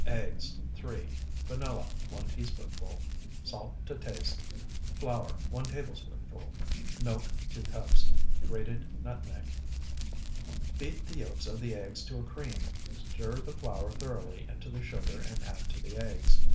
Eggs, 3. Vanilla, 1 teaspoonful. Salt to taste. Flour, 1 tablespoonful. Milk, 2 cups. Grated nutmeg. Beat the yolks of the eggs to a cream, stir the flour thoroughly into the sugar, and add to the eggs.